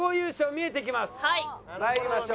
まいりましょう。